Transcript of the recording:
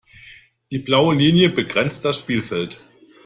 Die blaue Linie begrenzt das Spielfeld.